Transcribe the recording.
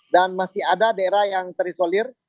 dan masih ada daerah yang terisolir